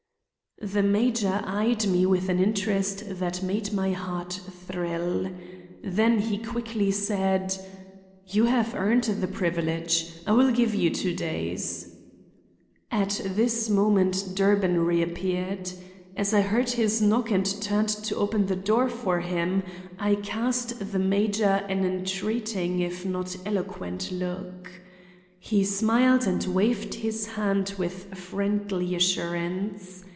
The major eyed me with an interest that made my heart thrill. Then he quickly said: "You have earned the privilege; I will give you two days." At this moment Durbin reappeared. As I heard his knock and turned to open the door for him, I cast the major an entreating if not eloquent look. He smiled and waved his hand with friendly assurance.